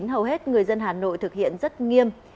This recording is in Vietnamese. hầu hết người dân hà nội thực hiện rất nghiêm